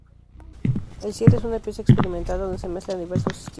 El cierre es una pieza experimental donde se mezclan diversos estilos.